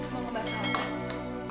mau ngebahas apa